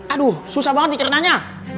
aduh susah banget diceritanya